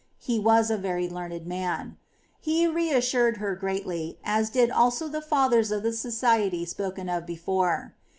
He was a very learned man. He reassured her greatly, as did also the fathers of the Society spoken of before.